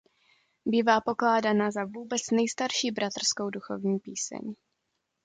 Bývá pokládána za vůbec nejstarší bratrskou duchovní píseň.